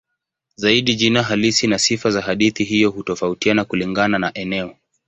Zaidi jina halisi na sifa za hadithi hiyo hutofautiana kulingana na eneo.